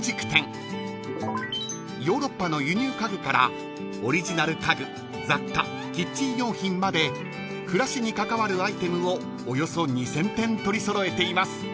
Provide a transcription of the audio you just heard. ［ヨーロッパの輸入家具からオリジナル家具雑貨キッチン用品まで暮らしに関わるアイテムをおよそ２，０００点取り揃えています］